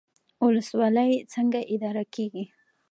ولسوالۍ څنګه اداره کیږي؟